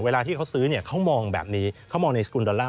เวลาที่เขาซื้อเนี่ยเขามองแบบนี้เขามองในสกุลดอลลาร์